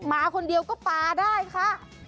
มาคนเดียวก็ปลาได้ค่ะ